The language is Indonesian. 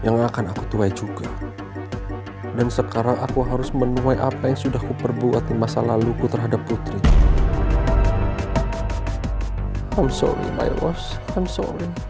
gak ada niat saya sepikitpun untuk melukai perasaanmu